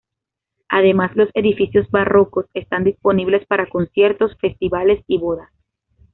Además, los edificios barrocos están disponibles para conciertos, festivales y bodas.